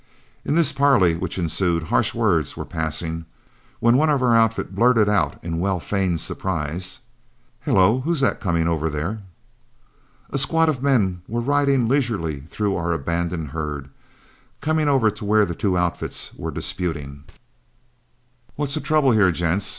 In the parley which ensued, harsh words were passing, when one of our outfit blurted out in well feigned surprise, "Hello, who's that, coming over there?" A squad of men were riding leisurely through our abandoned herd, coming over to where the two outfits were disputing. "What's the trouble here, gents?"